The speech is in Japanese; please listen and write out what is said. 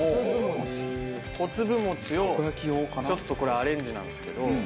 こつぶもちをちょっとこれアレンジなんですけど。